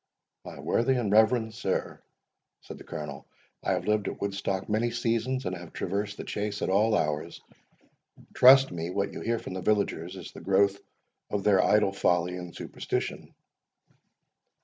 "My worthy and reverend sir," said the Colonel, "I have lived at Woodstock many seasons, and have traversed the Chase at all hours. Trust me, what you hear from the villagers is the growth of their idle folly and superstition."